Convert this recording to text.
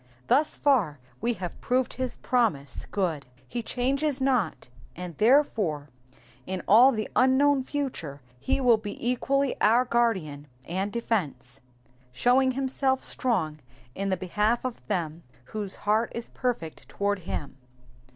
Thus far we have proved his promise good ; he changes not, and therefore in all the unknown future he will be equally our guardian and defence, ^* showing himself strong in the behalf of them whose heart is perfect toward him."